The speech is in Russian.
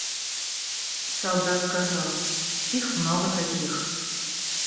Солдат сказал: их много таких.